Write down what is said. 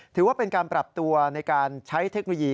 ถือว่าเป็นการปรับตัวในการใช้เทคโนโลยี